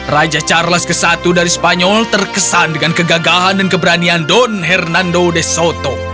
raja charles i dari spanyol terkesan dengan kegagahan dan keberanian don hernando desoto